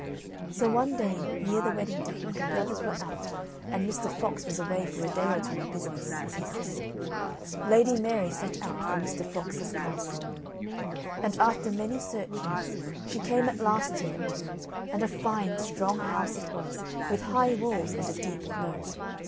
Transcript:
So one day, near the wedding day, when her brothers were out, and Mr. Fox was away for a day or two on business, as he said, Lady Mary set out for Mr. Fox's castle. And after many searchings, she came at last to it, and a fine strong house it was, with high walls and a deep moat.